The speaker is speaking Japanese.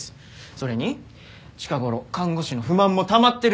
それに近頃看護師の不満もたまってるみたいだし。